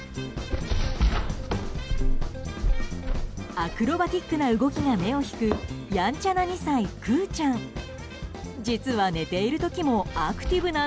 アクロバティックな動きが目を引く、やんちゃな２歳クゥちゃん。